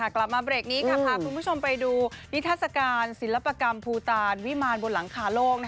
กลับมาเบรกนี้ค่ะพาคุณผู้ชมไปดูนิทัศกาลศิลปกรรมภูตาลวิมารบนหลังคาโลก